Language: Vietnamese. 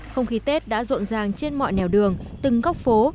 không khí tết đã rộn ràng trên mọi nẻo đường từng góc phố